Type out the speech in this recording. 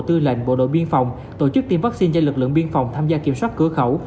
tư lệnh bộ đội biên phòng tổ chức tiêm vaccine cho lực lượng biên phòng tham gia kiểm soát cửa khẩu